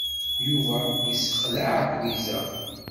Yuba yessexleɛ Lwiza.